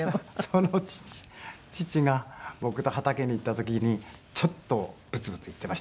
その父が僕と畑に行った時にちょっとブツブツ言っていましたね